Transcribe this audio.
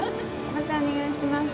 またお願いします。